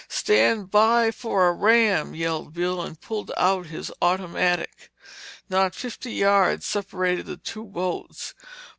"Stand by for a ram!" yelled Bill and pulled out his automatic. Not fifty yards separated the two boats.